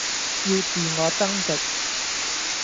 要自我增值